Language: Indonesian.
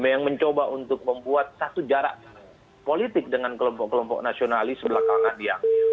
yang mencoba untuk membuat satu jarak politik dengan kelompok kelompok nasionalis belakangan yang